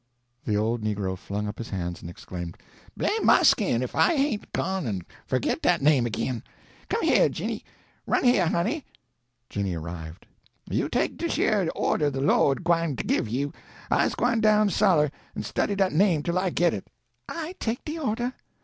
The old negro flung up his hands and exclaimed: "Blame my skin if I hain't gone en forgit dat name agin! Come heah, Jinny—run heah, honey." Jinny arrived. "You take dish yer order de lord gwine to give you I's gwine down suller and study dat name tell I git it." "I take de order!